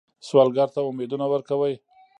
سوالګر ته امیدونه ورکوئ